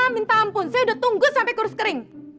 minta ampun saya udah tunggu sampai kurus kering